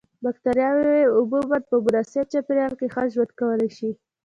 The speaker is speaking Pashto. بکټریاوې عموماً په مناسب چاپیریال کې ښه ژوند کولای شي.